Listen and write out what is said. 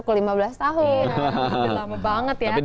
udah lama banget ya udah lama banget ya